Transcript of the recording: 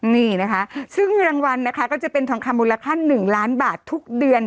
นี่นะคะซึ่งเงินรางวัลนะคะก็จะเป็นทองคำมูลค่า๑ล้านบาททุกเดือน